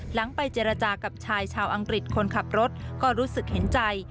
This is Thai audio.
หลังไปเจรจากับชายชาวอังกฤษคนขับรถก็รู้สึกเห็นใจ